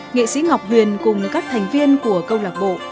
nghệ sĩ ngọc huyền cùng các thành viên của câu lạc bộ